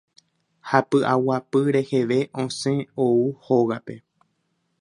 ha py'aguapy reheve osẽ ou hógape.